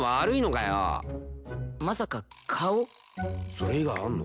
それ以外あんの？